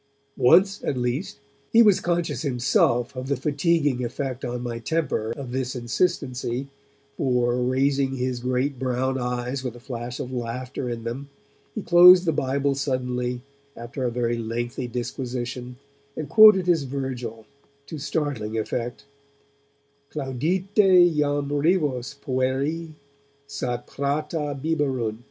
Once, at least, he was himself conscious of the fatiguing effect on my temper of this insistency, for, raising his great brown eyes with a flash of laughter in them, he closed the Bible suddenly after a very lengthy disquisition, and quoted his Virgil to startling effect: Claudite jam rivos, pueri: Sat prata biberunt.